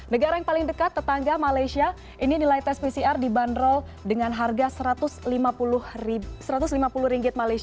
negara yang paling dekat tetangga malaysia ini nilai tes pcr dibanderol dengan harga satu ratus lima puluh ringgit malaysia